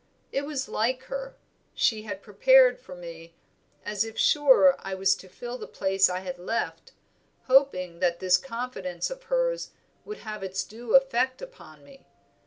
It was like her, she had prepared for me as if sure I was to fill the place I had left, hoping that this confidence of hers would have its due effect upon me.